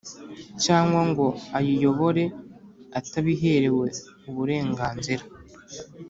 Cyangwa ngo ayiyobore atabiherewe uburenganzira